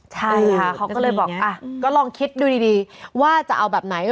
ใช่ค่ะเขาก็เลยบอกก็ลองคิดดูดีว่าจะเอาแบบไหน